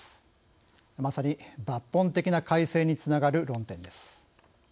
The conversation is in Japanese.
まさに抜本的な改正につながる論点です。